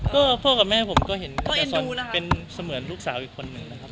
ก็พ่อกับแม่ผมก็เห็นนักการเห็นส่วนเป็นเสมือนลูกสาวอีกคนนึงนะครับผม